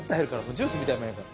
ジュースみたいなもんやから。